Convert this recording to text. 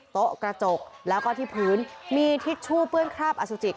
โต๊ะกระจกแล้วก็ที่พื้นมีทิชชู่เปื้อนคราบอสุจิ